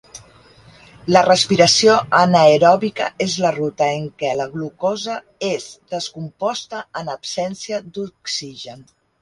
La respiració anaeròbica és la ruta en què la glucosa és descomposta en absència d'oxigen.